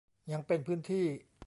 ยังเป็นพื้นที่